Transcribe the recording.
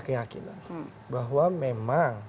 keyakinan bahwa memang